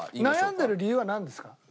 悩んでる理由はなんですか？